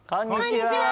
こんにちは！